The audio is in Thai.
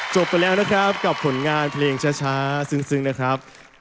จบไปแล้วนะครับกับผลงานเพลงช้าซึ้งนะครับ